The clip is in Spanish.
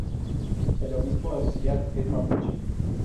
El Obispo Auxiliar es mapuche.